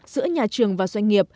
giữa nhà trường và doanh nghiệp